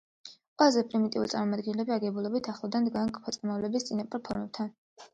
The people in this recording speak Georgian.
ყველაზე პრიმიტიული წარმომადგენლები აგებულებით ახლოს დგანან ქვეწარმავლების წინაპარ ფორმებთან.